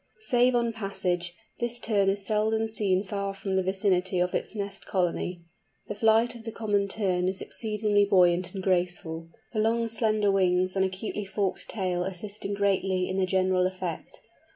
Save on passage, this Tern is seldom seen far from the vicinity of its nest colony. The flight of the Common Tern is exceedingly buoyant and graceful, the long slender wings and acutely forked tail assisting greatly in the general effect.